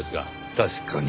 確かに。